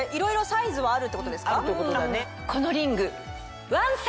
このリング。